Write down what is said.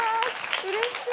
うれしい。